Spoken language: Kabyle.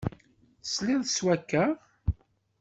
Tesliḍ s wakka?